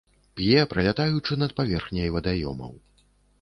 П'е, пралятаючы над паверхняй вадаёмаў.